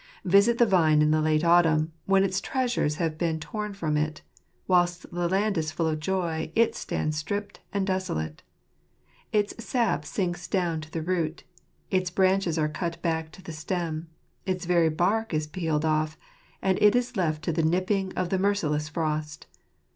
Visit the vine in the late autumn, when its treasure's have been tom from it. Whilst the land is full of joy it stands stripped and desolate. Its sap sinks down to the root ; its branches are cut back to the stem ; its very bark is peeled off ; and it is left to the nipping of the merciless frost.